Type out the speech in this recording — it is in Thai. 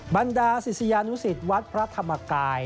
บรรดาศิษยานุสิตวัดพระธรรมกาย